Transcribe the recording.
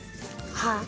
はあ。